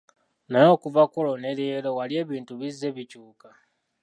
Naye okuva ku olwo ne leero wali ebintu ebizze bikyuka.